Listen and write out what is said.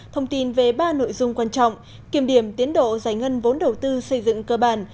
thông tin về ba nội dung quan trọng kiểm điểm tiến độ giải ngân vốn đầu tư xây dựng cơ bản